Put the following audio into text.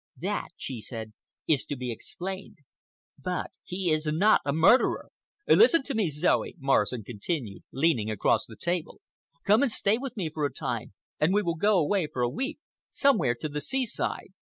"That," she said, "is to be explained. But he is not a murderer." "Listen to me, Zoe," Morrison continued, leaning across the table. "Come and stay with me for a time and we will go away for a week—somewhere to the seaside.